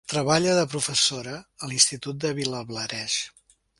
Treballa de professora a l'Institut de Vilablareix.